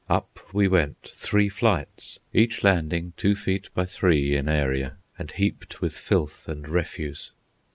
Up we went, three flights, each landing two feet by three in area, and heaped with filth and refuse.